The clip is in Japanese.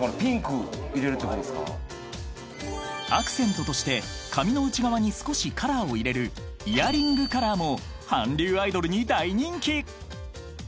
［アクセントとして髪の内側に少しカラーを入れるイヤリングカラーも韓流アイドルに大人気］